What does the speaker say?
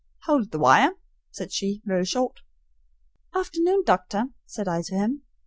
"Howld the wire," said she, very short. "Afternoon, Doctor," said I to him.